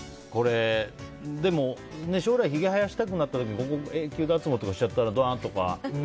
でも将来ひげ生やしたくなったら永久脱毛とかしちゃったらどうかなとか。